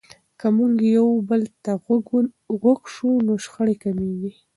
که موږ یو بل ته غوږ سو نو شخړې کمیږي.